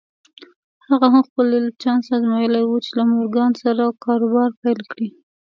هغه هم خپل چانس ازمايلی و چې له مورګان سره کاروبار پيل کړي.